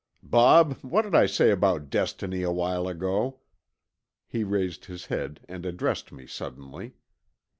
"Bob, what did I say about Destiny awhile ago?" he raised his head and addressed me suddenly.